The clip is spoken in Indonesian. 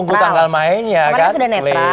tunggu tanggal main ya kan